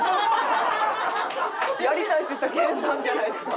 やりたいって言ったの研さんじゃないですか。